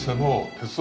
鉄道？